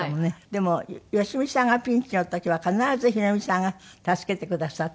でも良美さんがピンチの時は必ず宏美さんが助けてくださったんですって？